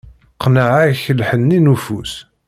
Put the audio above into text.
Qqneɣ-ak lḥenni n ufus.